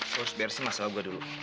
terus bersih masalah gua dulu